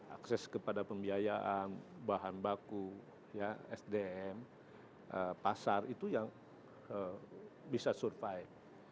akses kepada pembiayaan bahan baku sdm pasar itu yang bisa survive